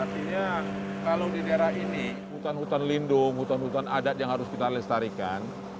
artinya kalau di daerah ini hutan hutan lindung hutan hutan adat yang harus kita lestarikan